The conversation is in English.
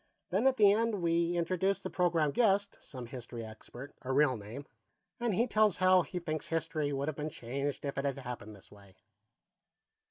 Then, at the end, we introduce the program guest, some history expert, a real name, and he tells how he thinks history would have been changed if it had happened this way."